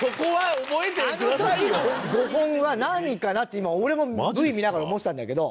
あの時の５本は何かなって今俺もＶ見ながら思ってたんだけど。